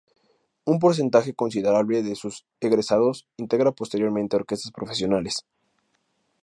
Un porcentaje considerable de sus egresados integra posteriormente orquestas profesionales.